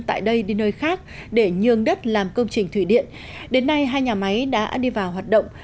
tại đây đi nơi khác để nhường đất làm công trình thủy điện đến nay hai nhà máy đã đi vào hoạt động